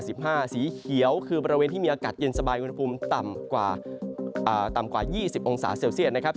สีเขียวคือบริเวณที่มีอากาศเย็นสบายอุณหภูมิต่ำกว่าต่ำกว่า๒๐องศาเซลเซียตนะครับ